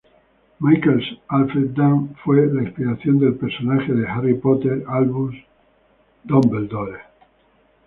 Michael's, Alfred Dunn, fue la inspiración del personaje de "Harry Potter" Albus Dumbledore.